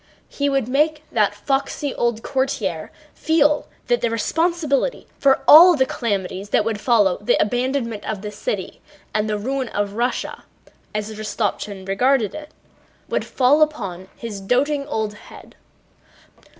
He would make that foxy old courtier feel that the responsibility for all the calamities that would follow the abandonment of the city and the ruin of Russia (as Rostopchín regarded it) would fall upon his doting old head.